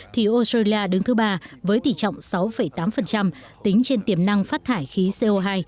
thì australia đứng thứ ba với tỷ trọng sáu tám tính trên tiềm năng phát thải khí co hai